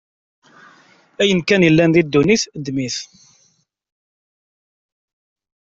Ayen akk yellan di ddunit ad immet.